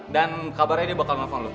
dan kabarnya dia bakal nelfon lo